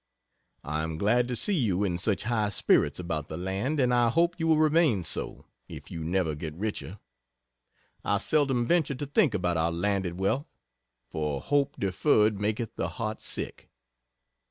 I am glad to see you in such high spirits about the land, and I hope you will remain so, if you never get richer. I seldom venture to think about our landed wealth, for "hope deferred maketh the heart sick."